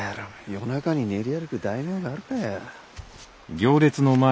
夜中に練り歩く大名があるかよ。